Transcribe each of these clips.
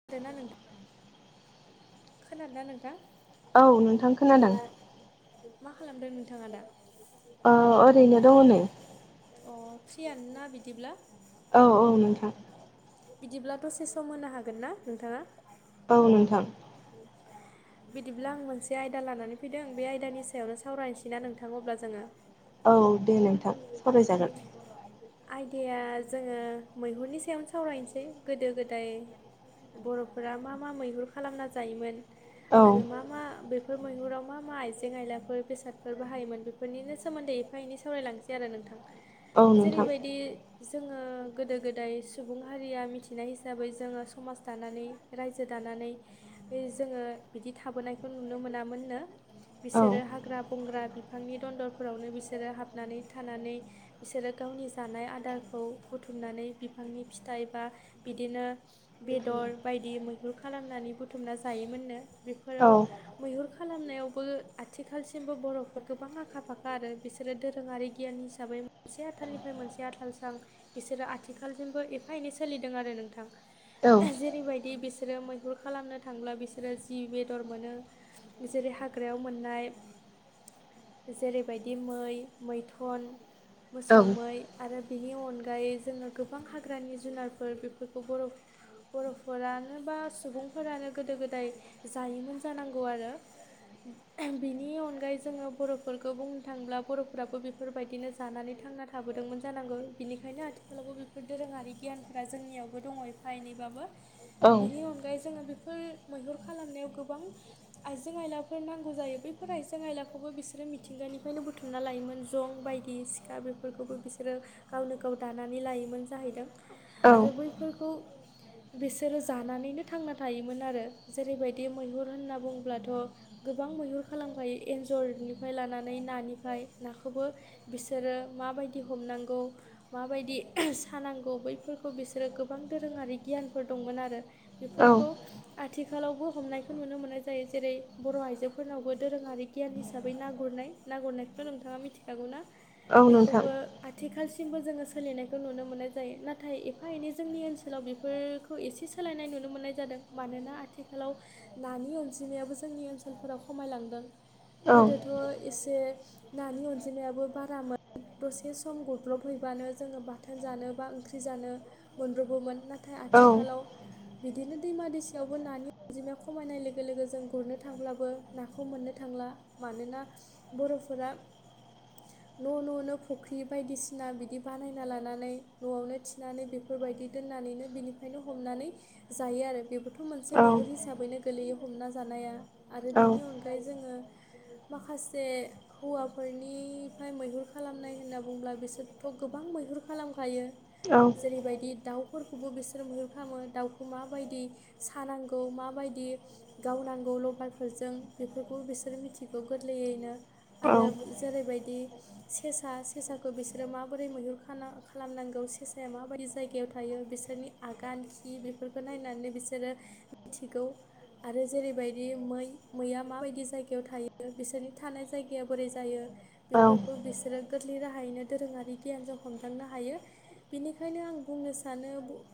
खोनादोंना नोंथां खोनादों ना नोंथां औ नोंथां खोनादों मा खालामदों नोंथाङा दा अ ओरैनो दङ नै अ फ्रियानोना बिदिब्ला औ औ नोंथां बिदिब्ला दसे सम होनो हागोन ना नोंथाङा। औ नोंथां बिदिब्ला आं मोनसे आयदा लानानै फैदों बे आयदानि सायावनो सावरायनोसैना नोंथांा अब्ला जोङो औ दे नोंथां सरायजागोन आयदाया जोङो मैहुरनि सायावनो सावरायनोसै गोदो गोदाय बर'फोरा मा मा मैहुर खालामना जायोमोन औ आरो मा मा बे बेफोर मैहुराव मा मा आइजें आइलाफोर बेसादफोर बाहायोमोन बेफोरनिनो सोमोन्दै एफा एनै सावरायलांसै आरो नोंथां औ नोंथां जेरैबायदि जोङो गोदो गोदाय सुबुं हारिया मिथिनाय हिसाबै जोङो समाज दानानै रायजो दानानै जोङो बिदि थाबोनायखौ नुनो मोनामोननो औ बिसोरो हाग्रा बंग्रा बिफांनि दन्दरफोरावनो बिसोरो हाबनानै थानानै बिसोरो गावनि जानाय आदारखौ बुथुमनानै बिफांनि फिथाइ बा बिदिनो बेदर बायदि मैहुर खालामनानै बुथुमना जायोमोननो औ बेफोराव मैहुर खालामनायावबो आथिखालसिमबो बर'फोर गोबां आखा फाखा आरो बिसोरो दोरोङारि गियाननिाब हिसाबै मोनसे आथालनिफ्राय मोनसे आथालसो आं बिसोरो आथिखालजोंबो एफा एनै सोलिदों आरो नोंथां औ जेरैबायदि बिसोर बिसोरो मैहुर खालामनो थांब्ला बिसोरो जि बेदर मोनो जेरै हाग्रायाव मोननाय जेरैबायदि मै मैथुन मोसौ मै आरो बिनि अनगायै जोङो गोबां हाग्रानि जुनारफोर बेफोरखौ बर' बर'फोरानो बा सुबुंफोरानो गोदो गोदाय जायोमोन जानांगौ आरो बिनि अनगायै जोङो बर'फोरखौ बुंनो थाङोब्ला बर'फोराबो बेफोरबायदिनो ज जानानै थांना थाबोदोंमोन जानांगौ बिनिखायनो आथिखालावबो बेफोर दोरोङारि गियानफोरा जोंनियावबो दङ एफा बायनैबाबो औ बिनि अनगायै जोङो बेफोर मैहुर खालामनायाव गोबां आइजें आइलाफोर नांगौ जायो बैफोर आइजें आइलाखौबो बिसोरो मिथिंगानिफ्रायनो बुथुमना लायोमोन जं बायदि दि सिखा बेफोरखौबो बिसोरो गावनो गाव दानानै लायोमोन जाहैदों औ आरो बै फोरखौ बिसोरो जानानैनो थांना थायोमोन आरो जेरैबायदि मैहुर होनना बुंुङ्लाथ' गोबां मैहुर खालामखायो एन्जरनिफ्राय लानानै नानिफ्राय नाखौबो बिसोरो माबायदि हमनांगौ माबायदि सानांगौ बैफोरखौ बिसोरो गोबां दोरोङारि गियानफोर दंमोन आरो औ बेफोरखौ आथिखालावबो हमनायखौ नुनो मोननाय जायो जेरै बर' आइजोफोरनावबो दोरोङारि गियान हिसाबै ना गुरनाय ना गुरनायखौथ' नोंथाङा मिथिखागौ ना औ नोंथां बेखौबो आथिखालसिमबो जोङो सोलिनायखौ नुनो मोननाय जायो नाथाय एफा एनै जोंनि ओनसोलाव बेफोर खौ एसे सोलायनाय नुनो मोननाय जादों मानोना आथिखालाव नानि अनजिमायाबो जोंनि ओनसोलफोराव खमायलांदों औ गोदोथ' एसे नानि अनजिमाबो बारामोन दसे सम गब्लबहैबानो जोङो बाथोन जानो बा ओंख्रि जानो मोनब्रबोमोन नाथाय औ आथिखालाव औ बिदिनो दैमा दैसायावबो नानि अनजिमाया खमायनाय लोगो लोगो जों गुरनो थांब्लाबो नाखौ मोननो थांला मानोना बर'फोरा न' न'नो फुख्रि बायदिसिना बिदि बानायना लानानै न'आवनो थिनानै बे बेफोरबायदि दोननानैनो बिनिफ्रायनो हमनानै जायो आरो बेफोरखौ मोनसे औ मैहुर हिसैनो गोलैयो हमना जानाया आरो बेनि अनगायै ओ जोङो माखासे हौवाफोरनि ओमफ्राय मैहुर खालामनाय होनना बुंु्ला बिसोरथ' गोबां मैहुर खालामखायो औ जेरैबायदि दाउफोरखौबो बिसोर मैहुर खालामो दाउखौ माबायदि सानांगौ माबायदि गावनांगौ लभारफोरजों बेफोरखौ बिसोर मिथिगौ गोरलैयैनो औ आरो जेरैबायदि सेसा सेसाखौ बिसोरो माबोरै मैहुरा खालामनांगौ सेसाया माबायदि जायगायाव थायो बिसोर नि आगान खि बेफोरखौ नायनानै बिसोरो मिथिगौ आरो जेरैबायदि मै मैया माबायदि जायगायाव थायो बिसोरनि थानाय जायगाया बोरै जायो औ बेफोरखौ बिसोरो गोरलै राहायैनो दोरोङारि गियानजों हमदांनो हायो बिनिखायनो आं बुंनो सानो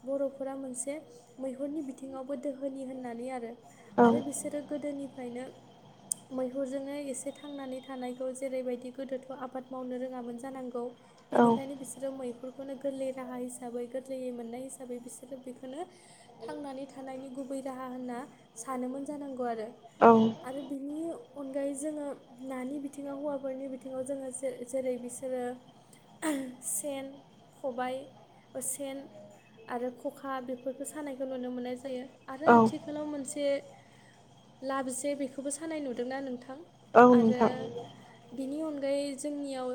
बर'फोरा मोनसे मैहुरनि बिथिङावबो दोहोनि होननानै आरो औ नोंथां आरो बिसोरो गोदोनिफ्रायनो मैहुरजोंनो एसे थांनानै थानायखौ जेरैबायदि गोदोथ' आबाद मावनो रोङामोन जानांगौ औ बिनिखायनो बिसोरो मैहुर बेखौनो गोरलै राहा हिसाबै गोरलैयै मोननाय हिसाबै बिसोरो बेखौनो थांनानै थानायनि गुबै राहा होनना सानोमोन जानांगौ आरो औ आरो बिनि अनगायै जोङो नानि बिथिङा हौवाफोरनि बिथिं बिथिङाव जोङो जेरै बिसोरो सेन खबाय सेन आरो खखा बेफोरखौ सानायखौ नुनो मोननाय जायो आरो आथिखालाव मोनसे लाबसेे बेखौबो सानाय नुदोंना नोंथां आरो बिनि उन ओै जोंनियाव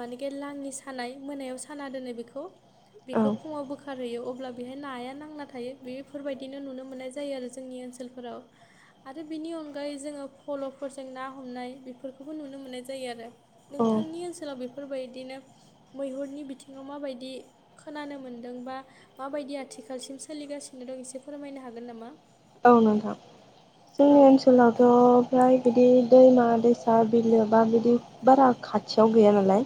मानेके लाङि सानाय मोनायाव साना दोनो बेखौ बेखौ फुङाव बोखारहोयो अब्ला बेहाय नाया नांला थायो बेफोरबायदिनो नुनो मोननाय जायो आरो जोंनि ओनसोलाव स्कुलफोराव आरो बेनि अनगायै जोङो फल'फोरजों ना हमनाय बेफोरखौबो नुनो मोननाय जायो आरो औ नोंथांनि ओनसोलाव बेफोरबायदिनो मैहुरनि बिथिङाव माबायदि खोनानो मोनदों बा माबायदि आथिखालसिम सोलिगासिनो दं एसे फोरमायनो हागोन नामा औ नोंथां जोंनि औ ओनसोलावथ' ओमफ्राय बिदि दैमा दैसा बिलो बा बिदि बारा खाथियाव गैया नालाय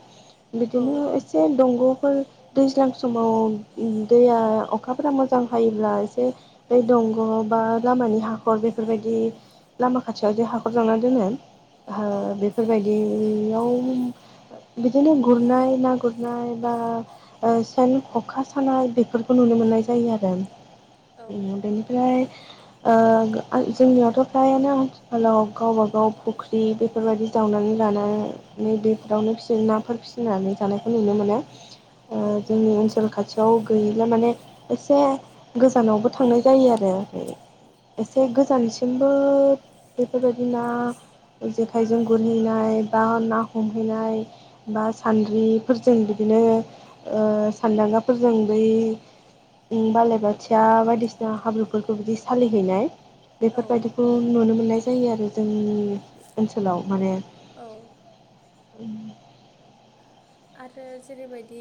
बिदिनो औ एसे दंग'फोर दैज्लां समाव दैया अखाफोरा मोजां हायोब्ला एसे बओ दंग बा लामानि हाखर बेफोरबायदि लामा खाथियाव जे हाखर जावना दोनङो औ बेफोरबायदियाव बिदिनो गुरनाय ना गुरनाय बा सेन खखा सानाय बेफोरखौ नुनो मोननाय जायो आरो औ बेनि उन्दनो ओमफ्राय जोंनियावथ' फ्रायानो आथिखालाव गावबाागाव फुख्रि बे बेफोरबायदि जावनानै लानानै बेफोरावनो फि नाफोर फिसिनानै जानायखौ नुनो मोनो औ जोंनि ओनसोल खाथियाव गैयैल माने एसे गोजानावबो थांनाय जायो आरो ओ एसे गोजानसिमबो बेफोरबायदिना ज आखाइजों गुरहैनाय बा ना हमहैनाय बा सानद्रिफोरजों बिदिनो सान्दांगाफोरजों बै बाालाय बाथिया बायदिसिना हाब्रुफोरखौ बिदि फालिहैनाय औ बेफोरबायदिखौ नुनो मोननाय जायो आरो जोंनि ओनसोलाव माने औ आरो जेरैबायदि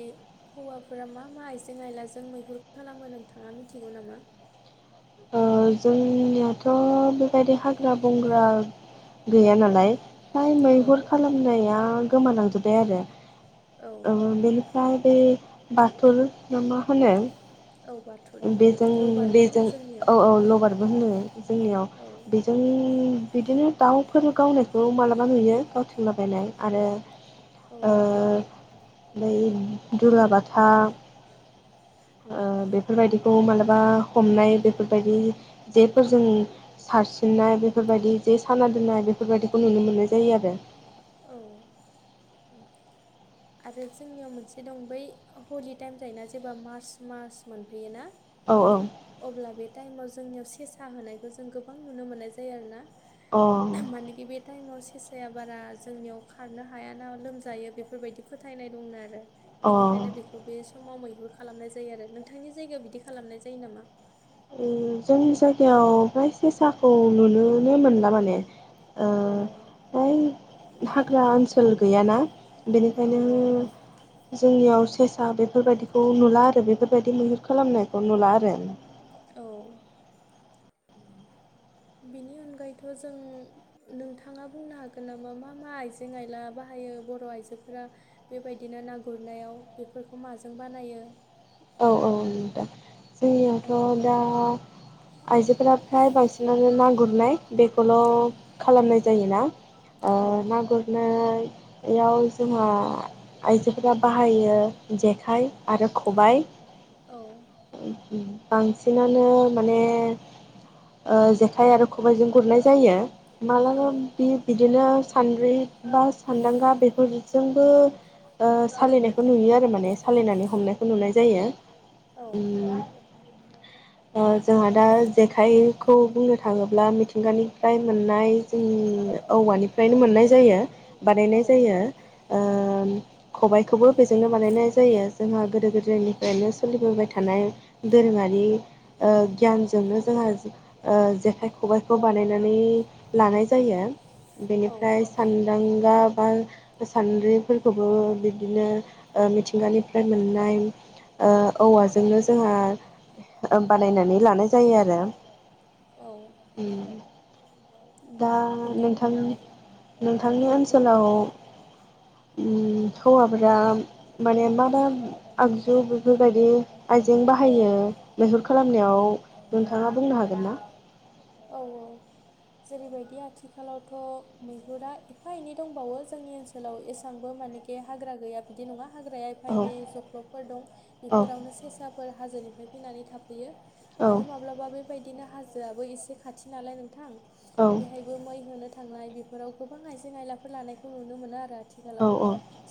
हौवाफोरा मा मा आइजें आइलाजों मैहुर खालामो नोंथाङा मिथिगौ नामा जोंनियाथ' बेबायदि हाग्रा बंग्रा गैया नालाय फ्राय औ मैहुर खालामनाया गोमानांजोबबाय आरो औ बेनिफ्राय बे बाथौ न मा होनो औबाथ' बेजों बेजों औ औ लगारबो होनो जोंनियाव औ बे जों बिदिनो दाउफोर गावनायखौ मालाबा नुयो गावथिंलाबायनाय आरो औ ओ ओमफ्राय दुलाबाथा बेफोरबायदिखौ मालाबा हमनाय बेफोरबायदि जेफोरजों सारसिननाय बेफोरबायदि जे साना दोननाय बेफोरबायदिखौ नुनो मोननाय जायो आरो। औ आरो जोंनियाव मोनसे दं बै हलि टाइम जायोना जेब्ला मार्च मास मोनफैयोना औ औ अब्ला बे टाइमाव जोंनियाव सेसा होनायखौ जों गोबां नुनो मोननाय जायो आरोना। अ मानेखि बे टाइमाव सेसाया बारा जोंनियाव खारनो हायाना लोमजायो बेफोरबायदि फोथायनाय दंनो आरो। अ बिनिखायनो बेखौ बे समाव मैहुर खालामनाय जायो आरो। नोंथांनि जायगायाव बिदि खालामनाय जायो नामा? ओम जोंनि जायगायाव फ्राय सेसाखौ नुनोनो मोनला माने। ओ औ ओय हाग्रा ओनसोल गैयाना। औ बेनिखायनो जोंनियाव सेसा बेफोरबायदिखौ नुला आरो बेफोरबायदि मैहुर खालामनायखौ नुला आरो। औ नि अनगायैथ' जों नोंथाङा बुंनो हागोन नामा मा मा आइजें आइला बाहायो बर' आइजोफोरा बेबायदिनो ना गुरनायाव बेफोरखौ माजों बानायो? औ औ दा जोंनियाथ' औ दा आइजोफोरा फ्राय बांसिनानो ना गुरनाय बेखौल' औ खालामनाय जायोना। औ ओ गुरनो बेयाव जोंहा आइजोफोरा बाहायो जेखाइ आरो खबाइ औ बांसिनानो माने ओ जेखाइ आरो खबाइजों गुरनाय जायो। औ मालाबा बि - बिदिनो सानद्रि बा सान्दांगा बेफोरजोंबो ओ सालिनायखौ नुयो आरो माने सालिनानै हमनायखौ नुनाय जायो। औ ओम [inaudible] ओ जोंहा दा जेखाइखौ बुंनो थाङोब्ला मिथिंगानिफ्राय मोननाय जों औवानिफ्रायनो मोननाय जायो बानायनाय जायो। ओम खबाइखोबो बेजोंनो बानायनाय जायो जोंहा गोदो गोदा गोदोनिफ्रायनो सोलिबोबाय थानाय दोरोङारि ओ गियानजोंनो जोंहा ओ जेखाइ खबाइखौ बानायनानै लानाय जायो। औ बिनिफ्राय सान्दांगा बा सान्द्रिफोरखौबो बिब्दिनो ओ मिथिंगानिफ्राय मोननाय ओ औवाजोंनो जोंहा ओ बानायनानै लानाय जायो आरो। औ दा नोंथां नोंथांनि औ ओनसोलाव बुंलाय उम हौवाफोरा माने मा मा आगजु बेफोर बायदि आइजें बाहायो मैहुर खालामनायाव? नोंथाङा बुंनो हागोन ना? औ औ जेरैबायदि आथिखालावथ' मैहुरा एफा एनै दंबावो जोंनि ओनसोलाव एसांबो मानि बे हाग्रा गैया बिदि नङा हाग्राया एफा औ एनै जख्लबफोर दं औ बेफोरावनो सेसाफोर हाजोनिफ्राय फैनानै थाफैयो। औ आरो माब्लाबा बेबायदिनो हाजोआबो एसे खाथि नालाय नोंथां औ बेहायबो मै होनो थांनाय बेफोराव गोबां आइजें आयलाफोर लानायखौ नुनो मोनो आरो आथिखालाव। औ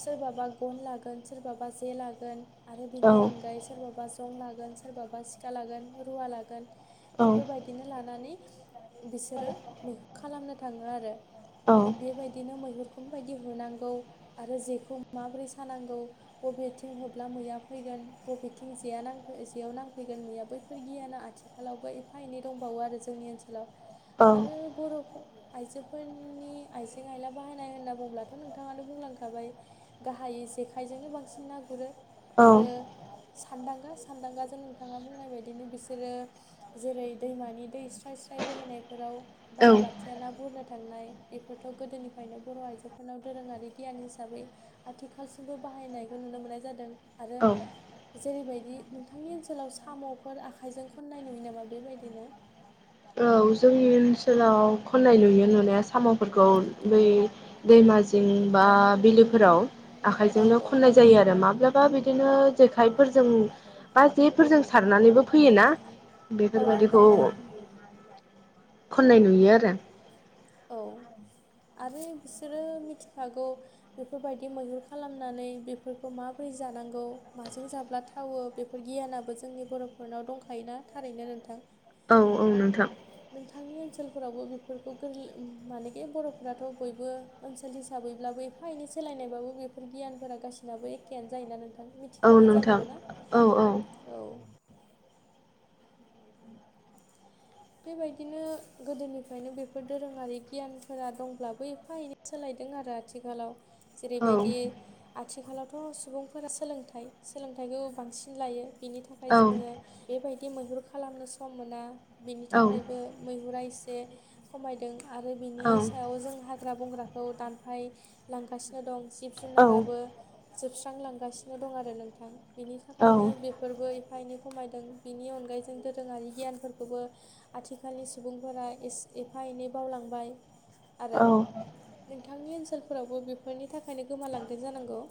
सोरबाबा गन लागोन सोरबाबा जे लागोन आरो औ बिनि अनगायै सोरबाबा जं लागोन सोरबाबा सिखा लागोन रुवा लागोन बेफोरबायदिनो लानानै। बिसोरो मैहुर खालामनो थाङो आरो। बेबायदिनो मैहुरखौ माबायदि होनांगौ आरो जेखौ माबोरै सानांगौ। बबेथिं होब्ला मैया फैगोन? बबेथिं जेया नांफै जेयाव नांफैगोन मैया बैफोर गियाना आथिं खालावबो एफा एनै दंबावो आरो जोंनि ओनसोलाव औ आरो बर' फोर आइजोफोरनि आइजें आइला बाहायनाय होनना बुंब्लाथ' नोंथाङानो बुंलांखाबाय। गाहायै जेखाइजोंनो बांसिन ना गुरो औ आरो सानदांगा सानदांगाजों नोंथाङा बुंनाय बायदिनो बिसोरो। जेरै दैमानि दै स्राय स्राय बोहैनायफोराव औ बालाबाथि। ना बुरनो थांनाय बेफोरथ' गोदोनिफ्रायनो बर' आइजोफोरनाव दोरोङारि गियान हिसाबै। आथिखालसिमबो बाहायनायखौ नुनो मोननाय जादों आरो औ जेरैबायदि। नोंथांनि ओनसोलाव साम'फोर आखाइजों खननाय नुयो नामा बेबायदिनो। औ जोंनि ओनसोलाव खन्नाय नुयो नुनाया साम'फोरखौ बै दैमाजि। जिंबा बिलोफोराव। औ आखाइजोंनो औ खननाय जायो आरो माब्लाबा बिदिनो जेखायफोरजों बा जेफोरजों सारनानैबो फैयोना औ औ बेफोरबायदिखौ फैयो खन्नाय नुयो आरो औ आरो बिसोरो मिथिखागौ बेफोरबायदि मैहुर खालामनानै बेफोरखौ माबोरै जानांगौ माजों जाब्ला थावो बेफोर गियानाबो जोंनि बर'फोरनाव दंखायोना थारैनो नोंथां औ औ नोंथां नोंथांनि सोलफोरावबो बेफोरखौ गोरलै मानेखि बर'फ्राथ' बयबो ओनसोल हिसाबैब्लाबो। फा एनै सोलायनायबाबो बेफोर गियानफोरा गासिनाबो एखेयानो जायो ना नोंथां औ मिथिखागौ नोंथां जानांगौ ना औ औ बेबायदिनो गोदोनिफ्रायनो बेफोर दोरोङारि गियानफोरा दंब्लाबो एफा एनै सोलायदों आरो आथिखालाव औ जेरैबायदि आथिखालावथ' सुबुंफोरा सोलोंथाइ सोलोंथाइखौ बांसिन लायो बिनि थाखाय औ थाखाय जोङो बेबायदि मैहुर खालामनो सम मोना बेनि औ थाखायबो मैहुरा एसे खमायदों आरो बिनि सायाव जों हाग्रा बंग्राखौ दानफाय लांगासिनो दं जिब जुनाराबो जोबस्रांलांगासिनो दं आरो नोंथां बिनि औ थाखायनो औ बेफोरबो एफा एनै खमायदों बेनि अनगायै जों दोरोङारि गियानफोर खौबो आथिखालनि सुबुंफोरा एफा एनै बावलांबाय आरो औ नोंथांनि ओनसोलफोरावबो बेफोरनि थाखायनो गोमालांगोन जानांगौ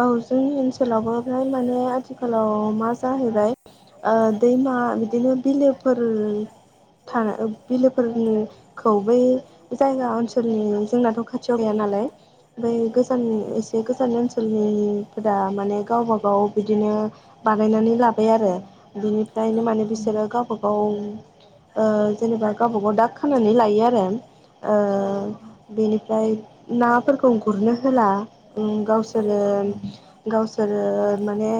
औ जोंनि ओनसोलावबो फ्राय माने आथिखालाव मा जाहैबाय ओ दैमा बिदिनो बिलोफोर था बिलोफोरनि खौ बै जायगा ओनसोलनि जोंनाथ' खाथियाव गैया नालाय ओमफ्राय औ गोजाननि एसे गोजाननिसो सोलनिफोरा माने गावबा गाव बिदिनो बानायनानै लाबाय आरो औ बिनिफ्रायनो माने बिसोरो गावबागाव ओ जेनेबा गावबा गाव दाग खानानै लायो आरो ओ औ बेनिफ्राय नाफोरखौ गुरनो होला औ गावसोरो औ गावसोरो माने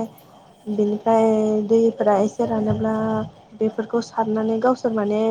बिनिफ्राय दै फोर एसे रानोब्ला बेफोरखौ सारनानै गावसोर माने